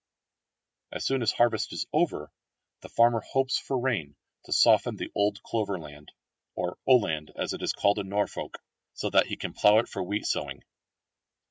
As soon as harvest is over the farmer hopes for rain to soften the old clover land, or olland as it is called in Norfolk, so that he can plough it for wheat sowing.